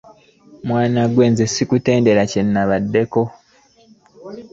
Mwana ggwe nze ssikutendera kye nabaddeko.